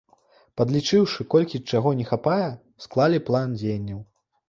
Падлічыўшы, колькі чаго не хапае, склалі план дзеянняў.